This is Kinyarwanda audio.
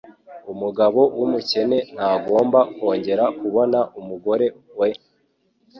Umugabo wumukene ntagomba kongera kubona umugore we.